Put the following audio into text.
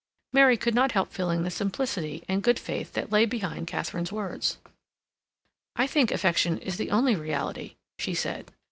Mary could not help feeling the simplicity and good faith that lay behind Katharine's words. "I think affection is the only reality," she said.